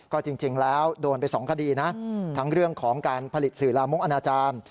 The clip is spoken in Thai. ก็จริงแล้วโดนไป๒คดีนะทั้งเรื่องของการผลิตสื่อลามกอนาจารย์